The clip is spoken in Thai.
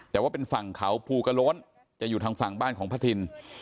แต่ว่าเป็นฝั่งเขาภูกระโล้นจะอยู่ทางฝั่งบ้านของพระทิน